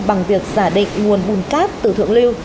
bằng việc giả định nguồn bùn cát từ thượng lưu